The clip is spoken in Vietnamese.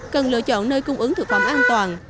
cần lựa chọn nơi cung ứng thực phẩm an toàn